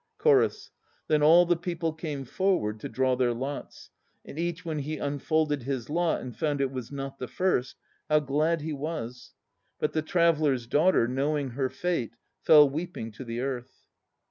CHORUS. Then all the people came forward To draw their lots. And each when he unfolded his lot And found it was not the First, How glad he was! But the traveller's daughter, Knowing her fate, Fell weeping to the earth.